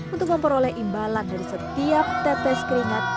untuk memperoleh imbalan dari setiap tetes keringat